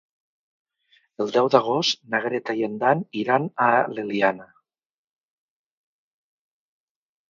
El deu d'agost na Greta i en Dan iran a l'Eliana.